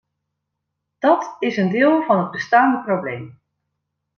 Dat is een deel van het bestaande probleem.